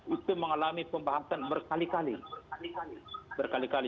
itu mengalami pembahasan berkali kali